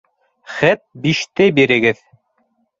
Хет биште бирегеҙ...